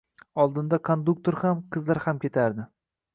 Oldinda konduktor ham, qizlar ham ketardi.